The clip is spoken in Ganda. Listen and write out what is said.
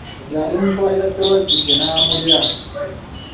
Nti alimutwaLira Ssewazzike namulya.